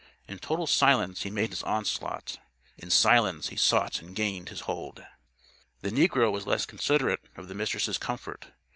In total silence he made his onslaught. In silence, he sought and gained his hold. The negro was less considerate of the Mistress' comfort.